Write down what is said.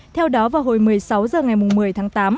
theo đó vào hồi một mươi sáu h ngày một mươi tháng tám